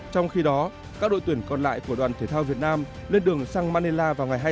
trong khi đó các đội tuyển còn lại của đoàn thể thao việt nam lên đường sang manila vào ngày hai mươi sáu tháng một mươi một